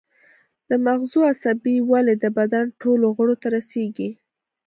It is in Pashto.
د مغزو عصبي ولۍ د بدن ټولو غړو ته رسیږي